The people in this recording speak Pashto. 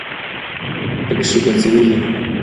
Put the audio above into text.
پکښي به ځغلي